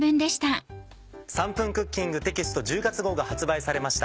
『３分クッキング』テキスト１０月号が発売されました。